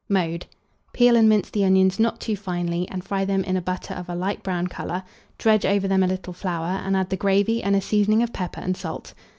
Mode. Peel and mince the onions not too finely, and fry them in butter of a light brown colour; dredge over them a little flour, and add the gravy and a seasoning of pepper and salt.